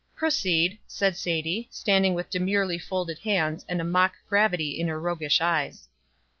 "Proceed," said Sadie, standing with demurely folded hands, and a mock gravity in her roguish eyes.